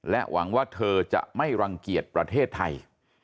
หวังว่าเธอจะไม่รังเกียจประเทศไทย